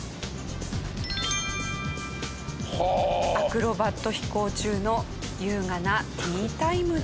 アクロバット飛行中の優雅なティータイムでした。